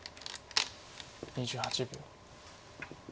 ２８秒。